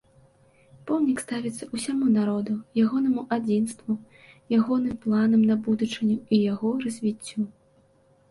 Помнік ставіцца ўсяму народу, ягонаму адзінству, ягоным планам на будучыню і яго развіццю.